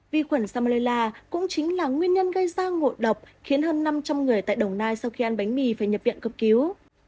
vi khuẩn salmella cũng chính là nguyên nhân gây ra ngộ độc khiến hơn năm trăm linh người tại đồng nai sau khi ăn bánh mì phải nhập viện cấp cứu